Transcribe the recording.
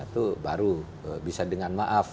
itu baru bisa dengan maaf